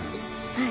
はい。